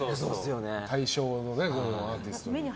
対象のアーティストに。